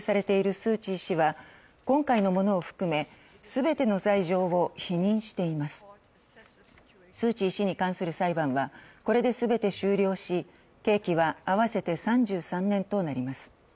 スー・チー氏に関する裁判はこれで全て終了し刑期は合わせて３３年となります。